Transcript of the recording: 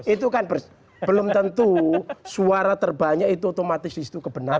itu kan belum tentu suara terbanyak itu otomatis disitu kebenaran